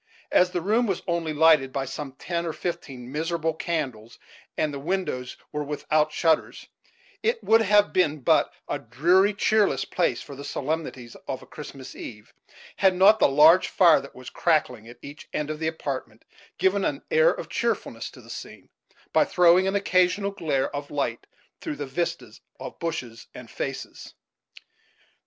As the room was only lighted by some ten or fifteen miserable candles, and the windows were without shutters, it would have been but a dreary, cheerless place for the solemnities of a Christmas eve, had not the large fire that was crackling at each end of the apartment given an air of cheerfulness to the scene, by throwing an occasional glare of light through the vistas of bushes and faces.